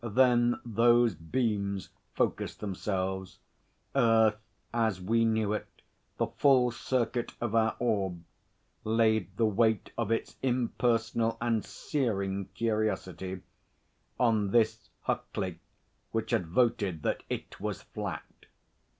Then those beams focussed themselves. Earth as we knew it the full circuit of our orb laid the weight of its impersonal and searing curiosity on this Huckley which had voted that it was flat.